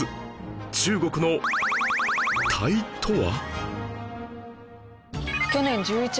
中国の隊とは？